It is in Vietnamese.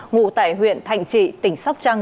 ngụ tại huyện thạnh trị tỉnh sóc trăng